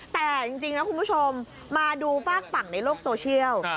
แต่จริงนะคุณผู้ชมมาดูฝากฝั่งในโลกโซเชียล